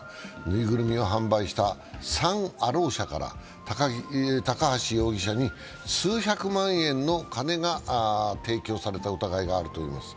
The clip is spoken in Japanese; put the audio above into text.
ぬいぐるみを販売したサン・アロー社から高橋容疑者に数百万円のカネが提供された疑いがあるといいます。